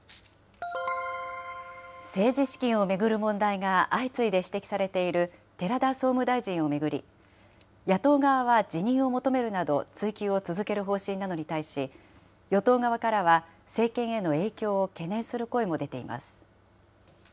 政治資金を巡る問題が相次いで指摘されている寺田総務大臣を巡り、野党側は辞任を求めるなど、追及を続ける方針なのに対し、与党側からは、政権への影響を懸念する声も出ています。